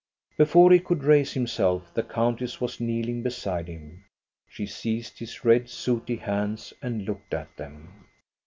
Before he could raise himself, the countess was kneeling beside him. She seized his red, sooty hands and looked at them.